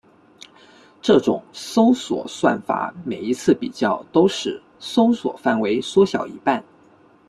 这种搜索算法每一次比较都使搜索范围缩小一半。